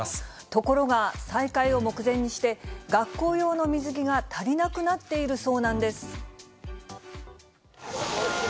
ところが、再開を目前にして、学校用の水着が足りなくなっているそうなんです。